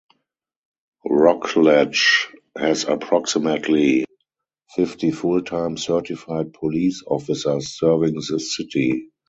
Rockledge has approximately fifty full-time certified police officers serving the city.